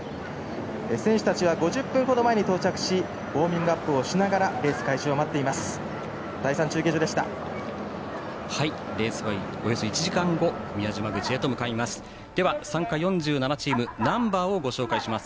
選手たちは、５０分程前に到着しウォーミングアップをしながらレース開始を待っています。